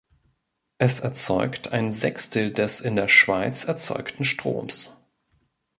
Es erzeugt ein Sechstel des in der Schweiz erzeugten Stroms.